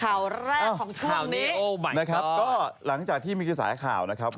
ข่าวแรกของช่วงนี้โอ้มายก็อดนะครับก็หลังจากที่มีสายข่าวนะครับ